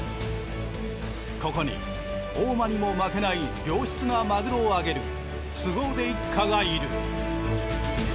ここに大間にも負けない良質なマグロをあげる凄腕一家がいる。